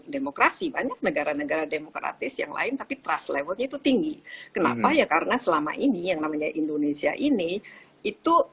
demokrasi banyak negara negara demokratis yang lain tapi trust levelnya itu tinggi kenapa ya karena selama ini yang namanya indonesia ini itu